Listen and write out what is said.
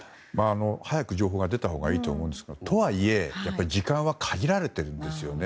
早く情報が出たほうがいいとは思うんですがとはいえ、時間は限られているんですよね。